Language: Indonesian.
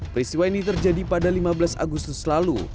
peristiwa ini terjadi pada lima belas agustus lalu